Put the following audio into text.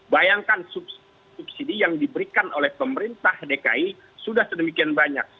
bayangkan subsidi yang diberikan oleh pemerintah dki sudah sedemikian banyak